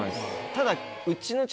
ただ。